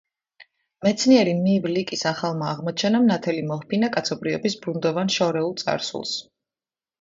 მეცნიერი მივ ლიკის ახალმა აღმოჩენამ ნათელი მოჰფინა კაცობრიობის ბუნდოვან შორეულ წარსულს.